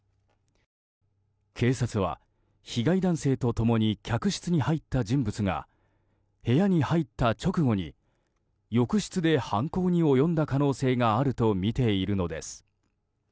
警察は被害男性と共に客室に入った人物が部屋に入った直後に浴室で犯行に及んだ可能性があるとみているのです。